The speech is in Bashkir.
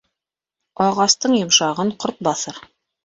Ағастың йомшағын ҡорт баҫыр.